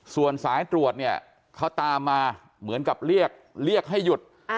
ส่วนสายตรวจเนี่ยเขาตามมาเหมือนกับเรียกเรียกให้หยุด